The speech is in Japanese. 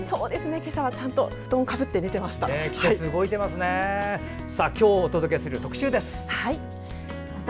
今朝はちゃんと布団かぶって寝ていました。